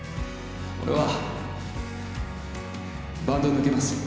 俺はバンドを抜けます。